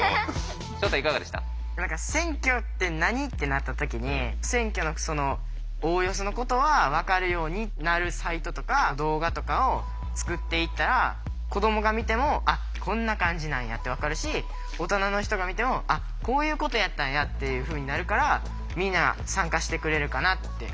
なった時に選挙のおおよそのことはわかるようになるサイトとか動画とかを作っていったら子どもが見ても「あっこんな感じなんや」ってわかるし大人の人が見ても「あっこういうことやったんや」っていうふうになるからみんな参加してくれるかなって。